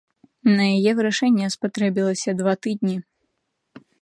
На яе вырашэнне спатрэбілася два тыдні.